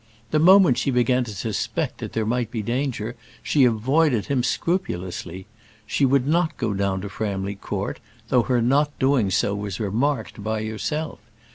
The moment she began to suspect that there might be danger she avoided him scrupulously. She would not go down to Framley Court, though her not doing so was remarked by yourself.